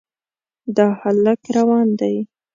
دا هلک روان دی.